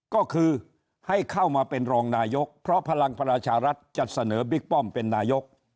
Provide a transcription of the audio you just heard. ก็คือให้เข้ามาเป็นรองนายกเพราะพลังประชารัฐจะเสนอบิ๊กป้อมเป็นนายก